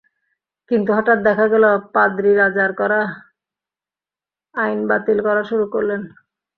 কিন্তু হঠাৎ দেখা গেল পাদরি রাজার করা আইন বাতিল করা শুরু করলেন।